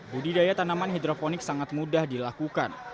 budidaya tanaman hidroponik sangat mudah dilakukan